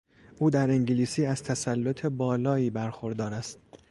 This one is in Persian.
او در انگلیسی از تسلط بالایی برخوردار است.